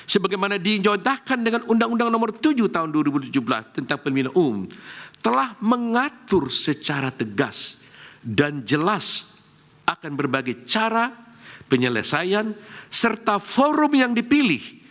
sebagaimana diinjautahkan dengan undang undang nomor tujuh tahun dua ribu tujuh belas tentang pemilihan umum telah mengatur secara tegas dan jelas akan berbagai cara penyelesaian serta forum yang dipilih